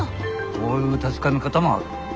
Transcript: こういう確かめ方もある。